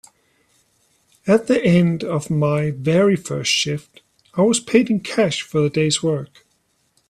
At the end of my very first shift, I was paid in cash for the day’s work.